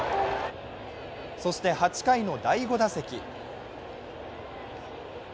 そして８回の第５打席。